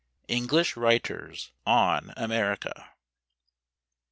ENGLISH WRITERS ON AMERICA.